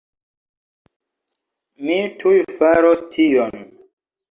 Mi tuj faros tion